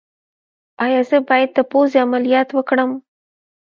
ایا زه باید د پوزې عملیات وکړم؟